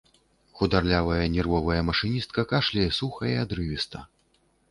Хударлявая нервовая машыністка кашляе суха і адрывіста.